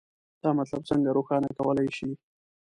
دا مطلب څنګه روښانه کولی شئ؟